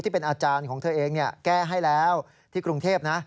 เป็นอาจารย์ของเธอเองแก้ให้แล้วที่กรุงเทพนะ